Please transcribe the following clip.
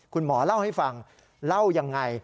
คุณหมอเล่าให้ฟังเล่ายังไง